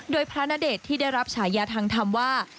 โดยพระณเดชน์ที่ได้รับฉายาทางธรรมว่า